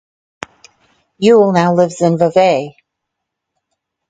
Uhl now lives in Vevey.